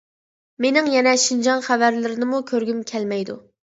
مېنىڭ يەنە شىنجاڭ خەۋەرلىرىنىمۇ كۆرگۈم كەلمەيدۇ.